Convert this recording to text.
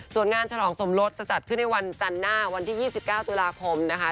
ส่วนงานฉลองสมรสจะจัดขึ้นในวันจันทร์หน้าวันที่๒๙ตุลาคมนะคะ